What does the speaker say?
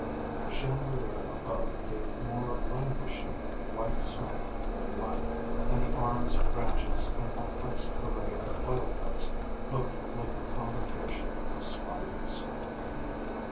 The chandelier above gave more languishing white smoke than light, and the arms, branches, and complexed array of oil cups looked like a convocation of spiders.